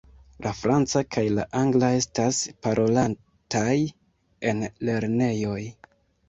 La franca kaj la angla estas parolataj en lernejoj.